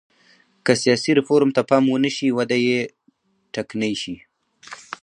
که سیاسي ریفورم ته پام ونه شي وده یې ټکنۍ شي.